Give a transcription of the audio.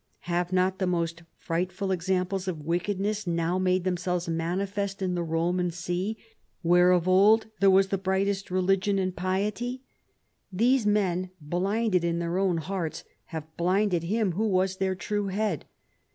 " Have not the most frightful examples of wick edness now made themselves manifest in the Roman see where of old there was the briohtest religion and piety ? These men, blinded in their own hearts. have blinded him who was their true head.